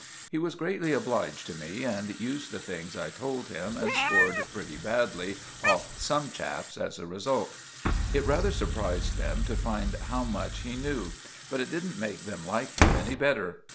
He was greatly obliged to me, and used the things I told him, and scored pretty badly off some chaps as a result. It rather surprised them to find how much he knew; but it didn't make them like him any better.